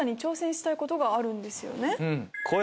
あるんですよね。